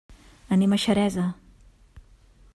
Anem a Xeresa.